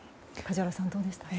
梶原さん、どうでしたか。